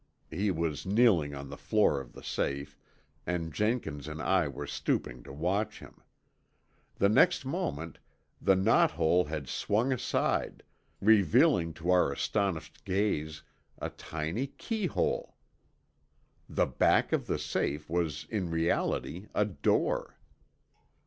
(He was kneeling on the floor of the safe and Jenkins and I were stooping to watch him.) The next moment the knot hole had swung aside, revealing to our astonished gaze a tiny key hole! The back of the safe was in reality a door!